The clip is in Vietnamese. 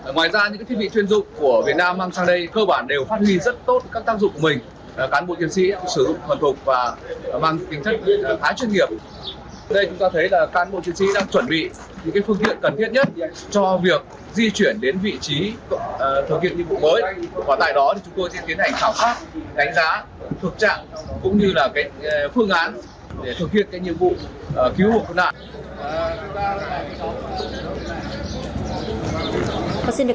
ngoài ra những thiết bị chuyên dụng của việt nam mang sang đây cơ bản đều phát huy rất tốt các tác dụng của mình